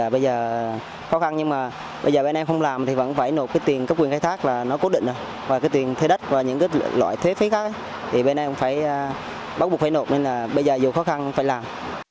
bây giờ bên em không làm thì vẫn phải nộp cái tiền cấp quyền khai thác là nó cố định rồi và cái tiền thuê đất và những loại thuê phế khác thì bên em cũng phải bắt buộc phải nộp nên là bây giờ dù khó khăn cũng phải làm